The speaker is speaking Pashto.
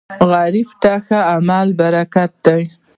غریب ته ښه عمل برکت دی